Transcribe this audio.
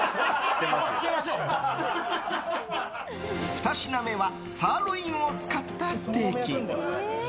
２品目はサーロインを使ったステーキ。